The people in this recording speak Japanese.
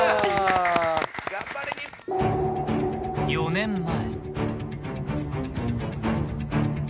４年前。